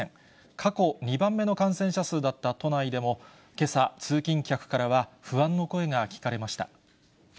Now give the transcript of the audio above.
過去２番目の感染者数だった都内でも、けさ、通勤客からは不安の声が聞かれました。